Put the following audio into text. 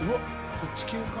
そっち系か。